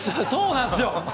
そうなんですよ。